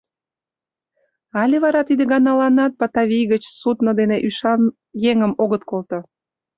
Але вара тиде ганаланат Батавий гыч судно дене ӱшан еҥым огыт колто?